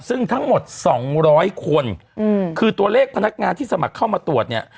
ซึ่งทั้งหมดสองร้อยคนอืมคือตัวเลขพนักงานที่สมัครเข้ามาตรวจเนี่ย